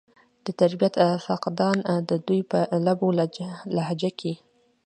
د تربيت فقدان د دوي پۀ لب و لهجه کښې